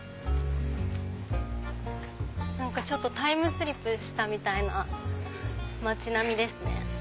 何かタイムスリップしたみたいな街並みですね。